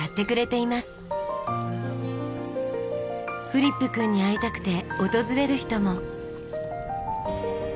フリップ君に会いたくて訪れる人も。